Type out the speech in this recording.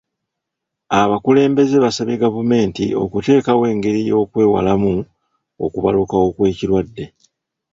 Abakulembeze basabye gavumenti okuteekawo engeri y'okwewalamu okubalukawo kw'ekirwadde.